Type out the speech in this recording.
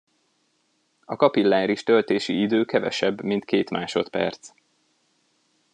A kapilláris töltési idő kevesebb, mint két másodperc.